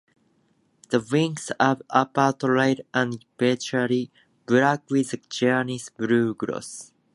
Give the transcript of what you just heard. The wings and upper tail are virtually black with a greenish-blue gloss.